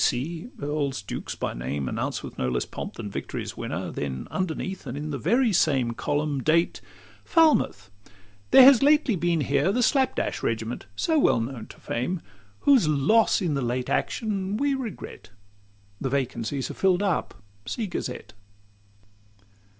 B. C." Earls, dukes, by name Announced with no less pomp than victory's winner: Then underneath, and in the very same Column; date, "Falmouth. There has lately been here The Slap dash regiment, so well known to fame, Whose loss in the late action we regret: The vacancies are fill'd up see Gazette."